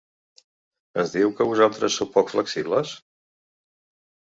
Es diu que vosaltres sou poc flexibles?